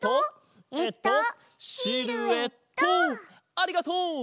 ありがとう！